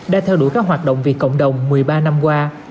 đã theo đuổi các hoạt động vì cộng đồng một mươi ba năm qua